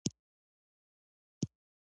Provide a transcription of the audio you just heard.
زموږ خلک اوس هم کرکان جنګوي